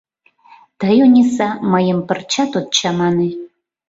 Тый, Ониса, мыйым пырчат от чамане.